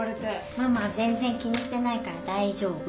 ママは全然気にしてないから大丈夫